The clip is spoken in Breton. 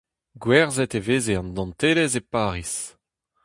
Gwerzhet e veze an dantelez e Pariz.